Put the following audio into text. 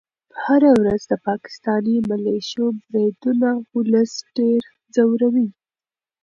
هره ورځ د پاکستاني ملیشو بریدونه ولس ډېر ځوروي.